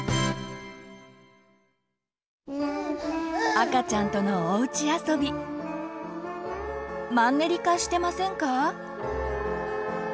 赤ちゃんとのおうちあそびマンネリ化してませんか？